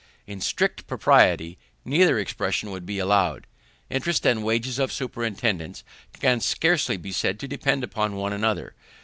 In strict, propriety, neither expression would be allowable. Interest, and the wages of superintendance, can scarcely be said to depend upon one another.